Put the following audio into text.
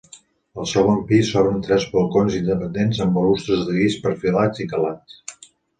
Al segon pis, s'obren tres balcons independents amb balustres de guix perfilats i calats.